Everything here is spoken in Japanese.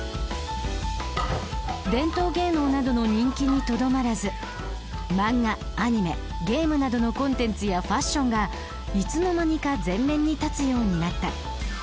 伝統芸能などの人気にとどまらずマンガアニメゲームなどのコンテンツやファッションがいつの間にか前面に立つようになった。